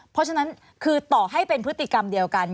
เพราะฉะนั้นคือต่อให้เป็นพฤติกรรมเดียวกัน